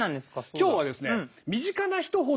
今日はですね